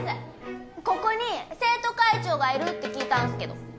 ここに生徒会長がいるって聞いたんすけど。